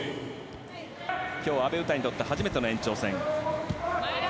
今日は阿部詩にとって初めての延長戦。